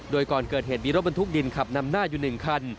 โดยก่อนเกิดเหตุมีรถบรรทุกดินขับนำหน้าอยู่๑คัน